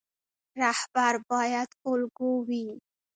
رهبر باید الګو وي